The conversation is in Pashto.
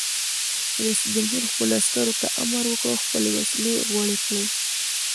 رئیس جمهور خپلو عسکرو ته امر وکړ؛ خپلې وسلې غوړې کړئ!